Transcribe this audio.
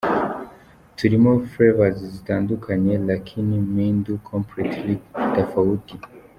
Turimo flavours zitandukanye lakini mi ndo completely tafauti.